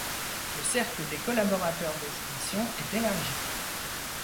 Le cercle des collaborateurs des éditions est élargi.